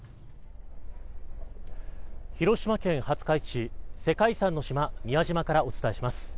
広島県廿日市世界遺産の島・宮島からお伝えします。